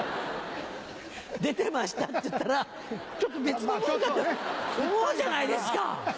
「出てました？」って言ったらちょっと別のものかと思うじゃないですか！